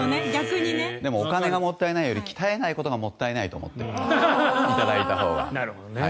でもお金がもったいないより鍛えないことがもったいないと思っていただいたほうが。